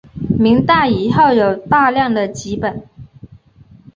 明代以后有大量的辑本。